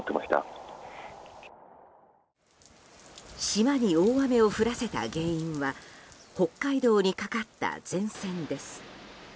島に大雨を降らせた原因は北海道にかかった前線です。